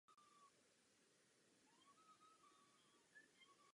Od té doby je to součástí legislativního programu Komise.